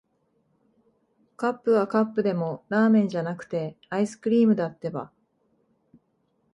カップはカップでも、ラーメンじゃなくて、アイスクリームだってば。